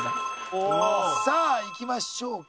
さあいきましょうか。